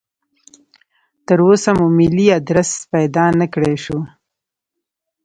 تراوسه مو ملي ادرس پیدا نکړای شو.